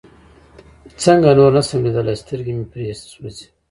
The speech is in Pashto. ځکه نور نشم ليدلى سترګې مې پرې سوزي.